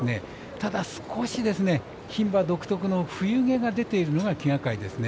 ただ、少し牝馬独特の冬毛が出ているのが気がかりですね。